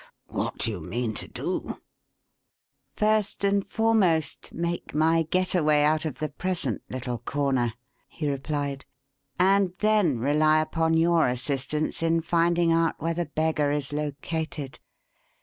What do you mean to do?" "First and foremost, make my getaway out of the present little corner," he replied, "and then rely upon your assistance in finding out where the beggar is located.